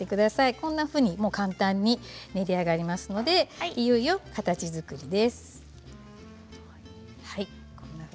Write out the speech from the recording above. こんなふうに簡単に練りあがりますのでいよいよ形づくりです。